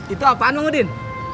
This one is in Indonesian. itu apaan bangudin